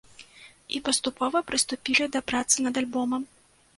І паступова прыступілі да працы над альбомам.